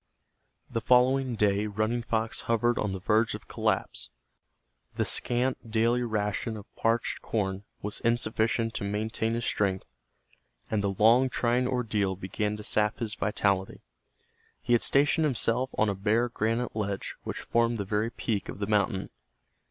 The following day Running Fox hovered on the verge of collapse. The scant daily ration of parched corn was insufficient to maintain his strength, and the long, trying ordeal began to sap his vitality. He had stationed himself on a bare granite ledge which formed the very peak of the mountain.